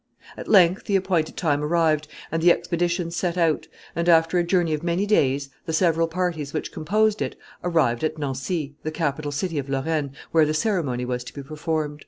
At length the appointed time arrived, and the expedition set out, and, after a journey of many days, the several parties which composed it arrived at Nancy, the capital city of Lorraine, where the ceremony was to be performed.